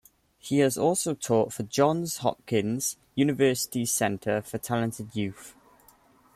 He has also taught for Johns Hopkins University's Center for Talented Youth.